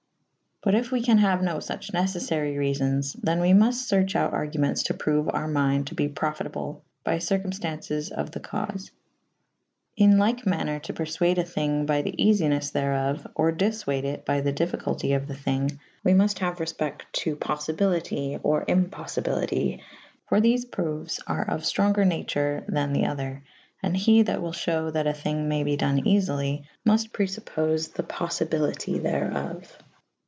But if we can haue no fuche neceffary reafons / than we mufte ferche out argumentes to proue our mynde to be profytable by circu«fta;2ces of the caufe. In lyke maner to perfuade a thynge by the eafines therof / or diffuade it by the difficulty of the thynge / we mufte haue refpect to poffibiliti or impoffibilite / for thefe proues are of ftrenger nature thaw the other / and he that wyll fhewe that a thynge may be done eafely: muft preluppofe the poffibilete therof.